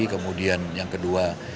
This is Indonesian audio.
kemudian yang kedua